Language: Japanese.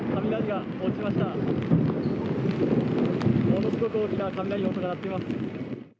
ものすごく大きな雷の音が鳴っています。